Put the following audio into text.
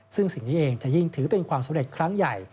ซึ่งสิ่งนี้เองจะยิ่งถือเป็นความสำเร็จครั้งใหญ่